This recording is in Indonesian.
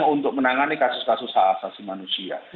untuk menangani kasus kasus hak asasi manusia